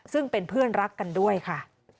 ซึ่งเป็นเพื่อนรักกันด้วยค่ะ